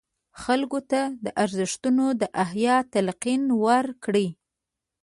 خلکو ته د ارزښتونو د احیا تلقین ورکړي.